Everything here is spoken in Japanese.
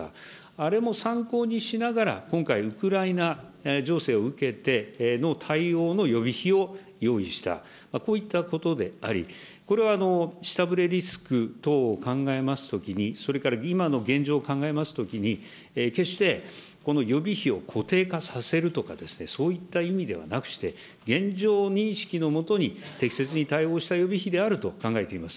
あれも参考にしながら、今回、ウクライナ情勢を受けての対応の予備費を用意した、こういったことであり、これは下振れリスク等を考えますときに、それから今の現状を考えますときに、決してこの予備費を固定化させるとかですね、そういった意味ではなくして、現状認識のもとに、適切に対応した予備費であると考えています。